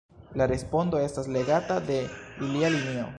La respondo estas legata de alia linio.